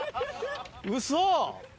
ウソ！